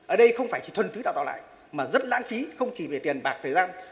ở đây không phải chỉ thuần túy đào tạo lại mà rất lãng phí không chỉ về tiền bạc thời gian